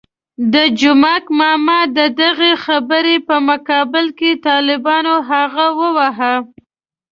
د جومک ماما د دغې خبرې په مقابل کې طالبانو هغه وواهه.